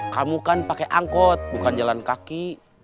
kamu kan pakai angkot bukan jalan kaki